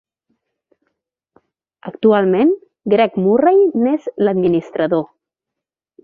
Actualment, Greg Murray n'és l'administrador.